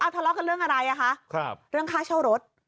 ทะเลาะกันเรื่องอะไรคะเรื่องค่าเช่ารถ